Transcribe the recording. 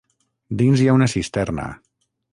Dins hi ha una cisterna.